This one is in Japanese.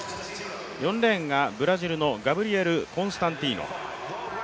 ４レーンがブラジルのガブリエル・コンスタンティノ。